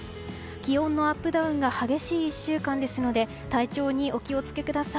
気温のアップダウンが激しい１週間ですので体調にお気を付けください。